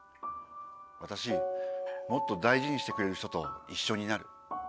私もっと大事にしてくれる人と一緒になる。